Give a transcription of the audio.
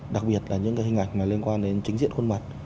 đặc biệt là những hình ảnh liên quan đến chính diện khuôn mặt